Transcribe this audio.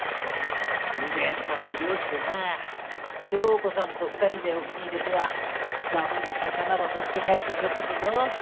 腕ん立つ漁師でな祥子さんと２人で沖に出てはざまに魚ば取って帰ってきよったとぞ。